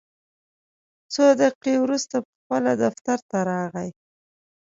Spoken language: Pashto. څو دقیقې وروسته پخپله دفتر ته راغی.